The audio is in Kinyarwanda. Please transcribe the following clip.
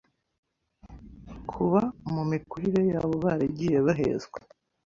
kuba mu mikurire yabo baragiye bahezwa